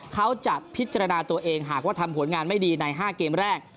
เขาจะพิจารณาตัวเองหากว่าทำผลงานไม่ดีใน๕เกมแรก